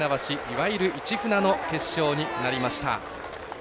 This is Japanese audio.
いわゆる市船の決勝になりました。